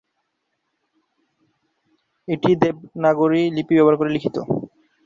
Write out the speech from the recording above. এটি দেবনাগরী লিপি ব্যবহার করে লিখিত।